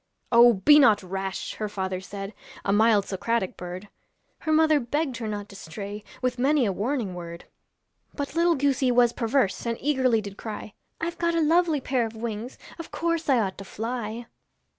'Oh! be not rash,' her father said, A mild Socratic bird; Her mother begged her not to stray With many a warning word. But little goosey was perverse, And eagerly did cry, I've got a lovely pair of wings, Of course I ought to fly.'